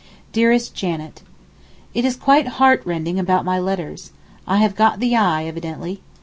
DEAREST JANET, It is quite heartrending about my letters. I have 'got the eye' evidently.